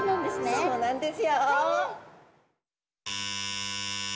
そうなんですよ。